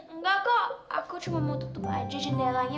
enggak kok aku cuma mau tutup aja jendelanya